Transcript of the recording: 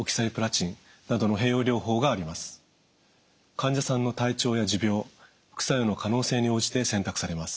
患者さんの体調や持病副作用の可能性に応じて選択されます。